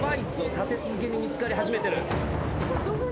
立て続けに見つかり始めてる。